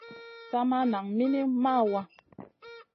Sa maʼa nan minim mawaa.